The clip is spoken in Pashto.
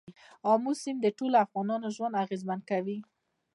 آمو سیند د ټولو افغانانو ژوند اغېزمن کوي.